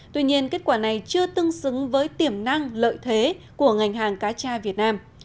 tuy nhiên kết quả này chưa tương xứng với tiềm năng lợi thế của ngành hàng cá tra việt nam